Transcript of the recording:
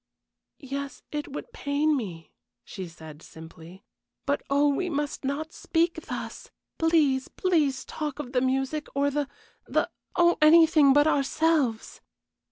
"Yes, it would pain me," she said, simply. "But, oh, we must not speak thus! Please, please talk of the music, or the the oh, anything but ourselves."